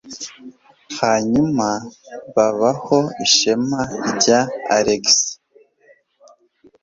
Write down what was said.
Hanyuma habaho ishema rya Alex.